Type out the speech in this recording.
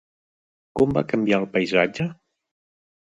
Com va canviar el paisatge?